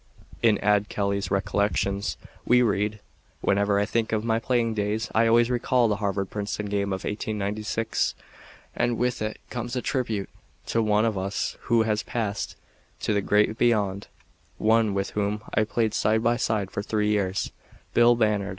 In Ad Kelly's recollections, we read: "Whenever I think of my playing days I always recall the Harvard Princeton game of 1896, and with it comes a tribute to one of us who has passed to the great beyond; one with whom I played side by side for three years, Bill Bannard.